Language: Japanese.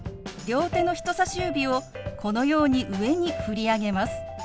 両手の人さし指をこのように上に振り上げます。